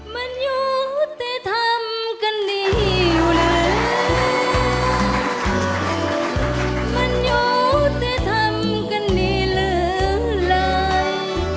สุดที่ทำกันดีเลย